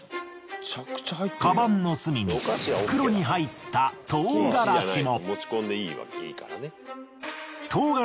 鞄の隅に袋に入った唐辛子も。